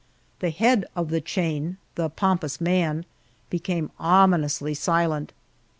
The head of the chain the pompous man became ominously silent.